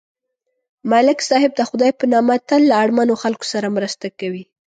ملک صاحب د خدای په نامه تل له اړمنو خلکو سره مرسته کوي.